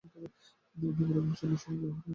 আমি পরাক্রমশালী সুমোকে হারিয়ে শহরকে রক্ষা করেছি।